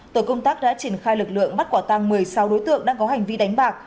tổ công tác đã triển khai lực lượng bắt quả tăng một mươi sáu đối tượng đang có hành vi đánh bạc